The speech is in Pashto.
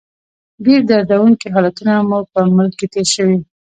ډېر دردونکي حالتونه مو په ملک کې تېر شوي.